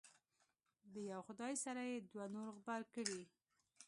د یو خدای سره یې دوه نور غبرګ کړي.